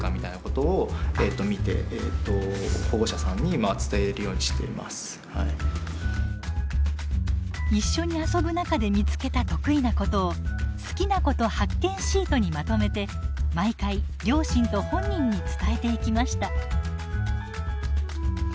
そういう例えばＲくんに関しては一緒に遊ぶ中で見つけた得意なことを「好きなこと発見シート」にまとめて毎回両親と本人に伝えていきました。